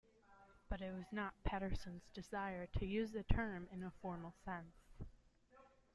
But, it was not Patterson's desire to use the term in a formal sense.